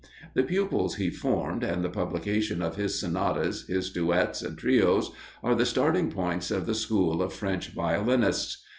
The pupils he formed, and the publication of his sonatas, his duets, and trios, are the starting points of the school of French violinists.